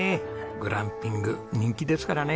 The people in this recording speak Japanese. グランピング人気ですからね。